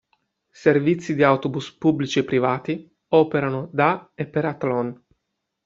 Servizi di autobus pubblici e privati operano da e per Athlone.